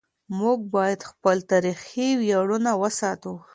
موږ باید خپل تاریخي ویاړونه وساتو.